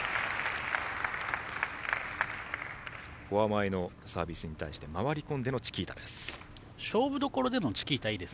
フォア前のサービスに対して回り込んでのチキータです。